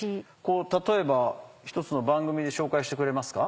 例えば１つの番組で紹介してくれますか？